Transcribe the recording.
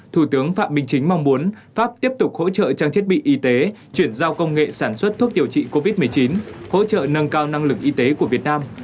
thủ tướng phạm minh chính mong muốn pháp tiếp tục hỗ trợ trang thiết bị y tế chuyển giao công nghệ sản xuất thuốc điều trị covid một mươi chín hỗ trợ nâng cao năng lực y tế của việt nam